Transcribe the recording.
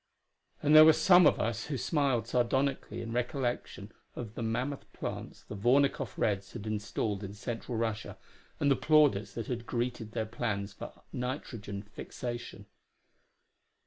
And there were some of us who smiled sardonically in recollection of the mammoth plants the Vornikoff Reds had installed in Central Russia, and the plaudits that had greeted their plans for nitrogen fixation.